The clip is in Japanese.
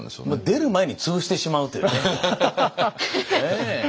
出る前に潰してしまうというね。